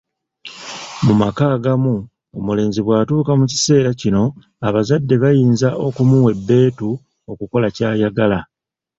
Mu maka agamu omulenzi bwatuuka mu kiseera kino abazadde bayinza okumuwa ebbeetu okukola ky'ayagala.